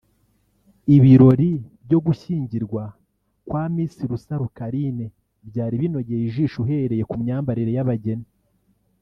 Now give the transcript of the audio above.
Ibirori byo gushyingirwa kwa Miss Rusaro Carine byari binogeye ijisho uhereye ku myambarire y’abageni